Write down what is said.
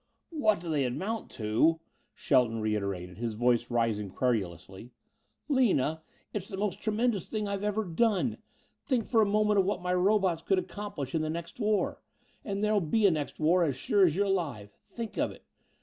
"What do they amount to?" Shelton reiterated, his voice rising querulously. "Lina, it's the most tremendous thing I've ever done. Think for a moment of what my robots could accomplish in the next war. And there'll be a next war as sure as you're alive. Think of it!